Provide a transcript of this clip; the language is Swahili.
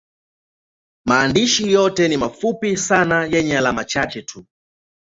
Maandishi yote ni mafupi sana yenye alama chache tu.